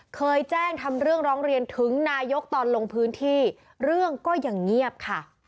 เคยแจ้งทำเรื่องร้องเรียนถึงนายกตอนลงพื้นที่เรื่องก็ยังเงียบค่ะ